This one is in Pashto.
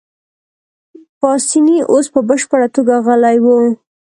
پاسیني اوس په بشپړه توګه غلی وو.